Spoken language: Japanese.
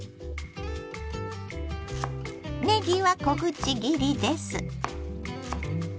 ねぎは小口切りです。